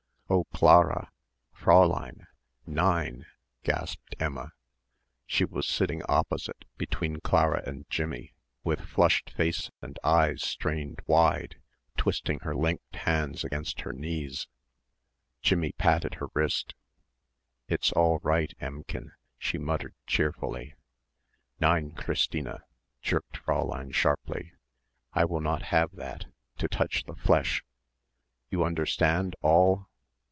"Oh, Clara! Fräulein! Nein!" gasped Emma. She was sitting opposite, between Clara and Jimmie with flushed face and eyes strained wide, twisting her linked hands against her knees. Jimmie patted her wrist, "It's all right, Emmchen," she muttered cheerfully. "Nein, Christina!" jerked Fräulein sharply. "I will not have that! To touch the flesh! You understand, all!